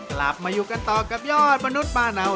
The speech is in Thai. กลับมาอยู่กันต่อกับยอดมนุษย์ป้าเนา